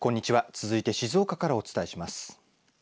続いて静岡からお伝えします。